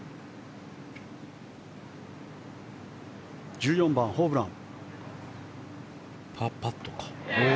１４番、ホブラン。